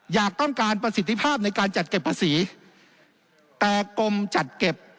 อยากต้องการประสิทธิภาพในการจัดเก็บภาษีแต่กรมจัดเก็บ